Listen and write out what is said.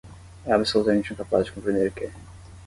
é absolutamente incapaz de compreender que